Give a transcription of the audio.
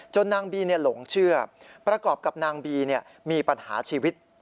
นางบีหลงเชื่อประกอบกับนางบีมีปัญหาชีวิต